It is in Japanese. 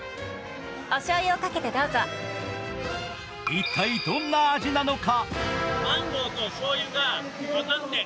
一体どんな味なのか？